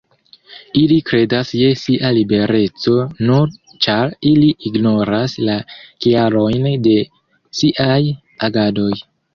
Ili kredas je sia libereco nur ĉar ili ignoras la kialojn de siaj agadoj.